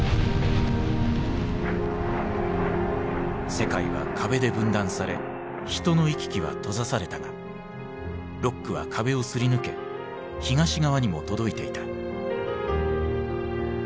世界は壁で分断され人の行き来は閉ざされたがロックは壁をすり抜け東側にも届いていた。